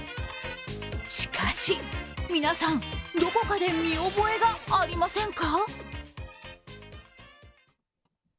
しかし皆さん、どこかで見覚えがありませんか？